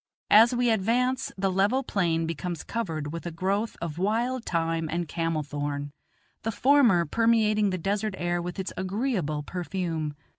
As we advance the level plain becomes covered with a growth of wild thyme and camel thorn, the former permeating the desert air with its agreeable perfume.